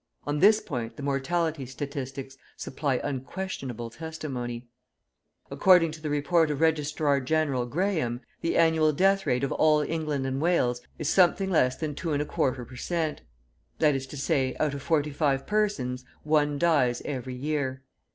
On this point the mortality statistics supply unquestionable testimony. According to the Report of Registrar General Graham, the annual death rate of all England and Wales is something less than 2.25 per cent. That is to say, out of forty five persons, one dies every year.